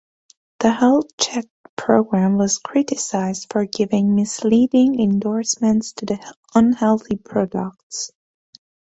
The Health Check program was criticized for giving misleading endorsements to unhealthy products.